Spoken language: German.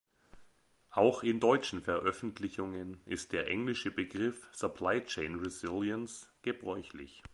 Auch in deutschen Veröffentlichungen ist der englische Begriff supply chain resilience gebräuchlich.